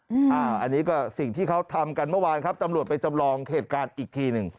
อันนี้ก็สิ่งที่เขาทำกันเมื่อวานครับตำรวจไปจำลองเหตุการณ์อีกทีหนึ่ง